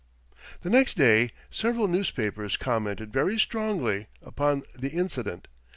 The next day several newspapers commented very strongly upon the incident.